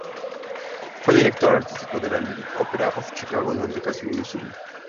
Fue director artístico de la Lyric Opera of Chicago durante casi medio siglo.